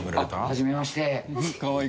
はじめまして。